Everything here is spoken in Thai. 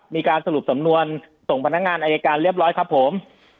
มีการสรุปสำนวนส่งพนักงานอายการเรียบร้อยครับผม